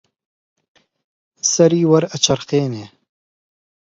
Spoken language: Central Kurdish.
سەری وەرئەچەرخێنێ